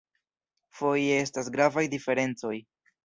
Foje estas gravaj diferencoj.